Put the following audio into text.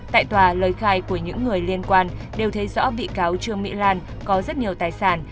tại tòa lời khai của những người liên quan đều thấy rõ bị cáo trương mỹ lan có rất nhiều tài sản